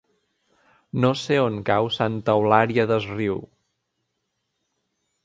No sé on cau Santa Eulària des Riu.